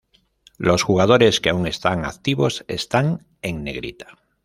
Los jugadores que aún están activos están en negrita.